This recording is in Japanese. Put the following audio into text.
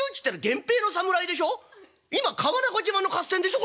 今川中島の合戦でしょ？